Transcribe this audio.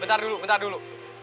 bentar dulu bentar dulu